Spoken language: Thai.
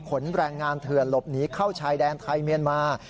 แรงงานเถื่อนหลบหนีเข้าชายแดนไทยเมียนมา